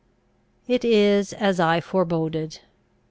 It is as I foreboded.